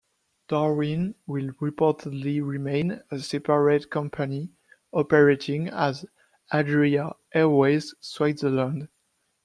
Darwin will reportedly remain a separate company operating as "Adria Airways Switzerland".